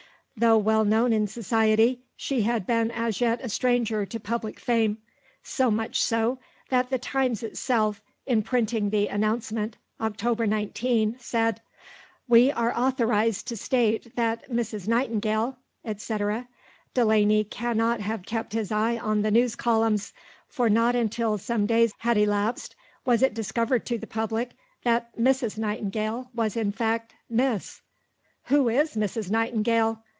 Though well known in Society, she had been as yet a stranger to public fame; so much so that the Times itself, in printing the announcement (Oct. 19), said: "We are authorised to state that Mrs. Nightingale," etc. Delane cannot have kept his eye on the news columns, for not until some days had elapsed was it discovered to the public that "Mrs." Nightingale was in fact "Miss." "Who is 'Mrs.' Nightingale?"